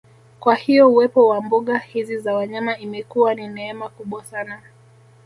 Kwa hiyo uwepo wa mbuga hizi za wanyama imekuwa ni neema kubwa sana